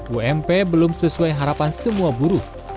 ump belum sesuai harapan semua buruh